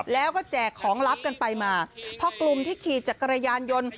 แล้วก็แจกของลับกันไปมาพอกลุ่มที่ขี่จักรยานยนต์